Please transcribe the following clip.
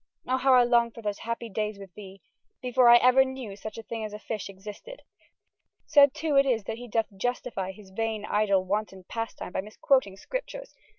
O howe I longe for those happy dayes with thee, before I ever knew such a thyng as a fysshe existed! Sad too it is that he doth justifye his vain idle wanton pasttyme by misquoting scriptures.